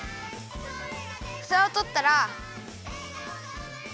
ふたをとったら。